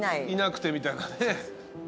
いなくてみたいなねぇ。